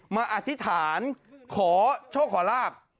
มาอธิษฐานขอโชคคอลาฟ